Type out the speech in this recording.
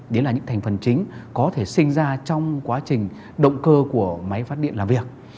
đấy là những thành phần chính có thể sinh ra trong quá trình động cơ của máy phát điện làm việc